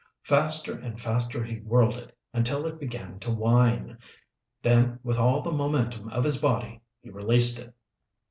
Faster and faster he whirled it until it began to whine, then with all the momentum of his body he released it.